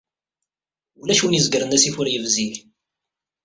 Ulac win izegren asif ur yebzig.